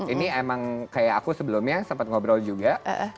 ini emang kayak aku sebelumnya sempat ngobrol juga